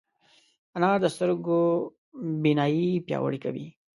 انار د سترګو بینايي پیاوړې کوي.